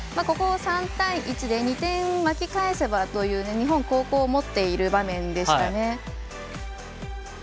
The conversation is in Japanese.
ここ、３対１で２点巻き返せばという日本が後攻を持っている場面でした。